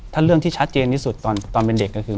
ถ้าเรื่องที่ชัดเจนที่สุดตอนเป็นเด็กก็คือ